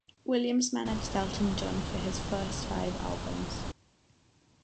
Williams managed Elton John for his first five albums.